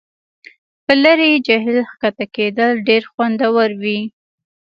په لرې جهیل کښته کیدل ډیر خوندور وي